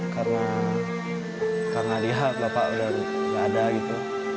karena lihat bapak udah gak ada gitu